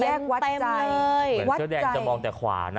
วัดใจเหมือนเสื้อแดงจะมองแต่ขวานะ